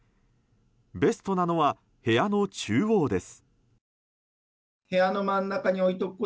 ベストなのは、部屋の中央です。